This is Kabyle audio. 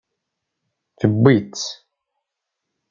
Tewwi-t.